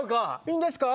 いいんですか？